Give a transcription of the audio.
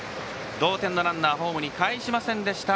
同点のランナーはホームにかえしませんでした